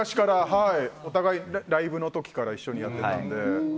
お互い、ライブの時から一緒にやってたので。